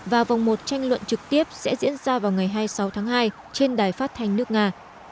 và vòng một tranh luận trực tiếp sẽ diễn ra vào ngày hai mươi sáu tháng hai trên đài phát thanh nước nga